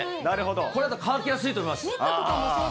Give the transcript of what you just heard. これだったら、乾きやすいと思います。